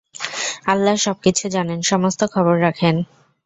আল্লাহ সব কিছু জানেন, সমস্ত খবর রাখেন।